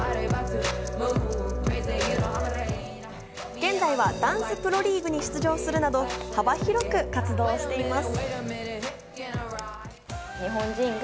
現在はダンスプロリーグに出場するなど、幅広く活動しています。